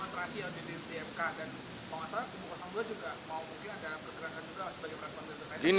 mau gak salah kumuh dua juga mau mungkin ada bergerakan juga sebagai perasaban bnp